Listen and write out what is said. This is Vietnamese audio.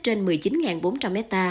trên một mươi chín bốn trăm linh hectare